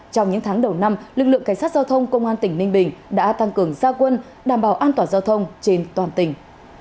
trong những tháng đầu năm lực lượng cảnh sát giao thông công an tỉnh ninh bình đã tăng cường gia quân đảm bảo an toàn giao thông trên toàn tỉnh